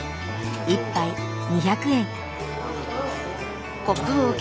１杯２００円。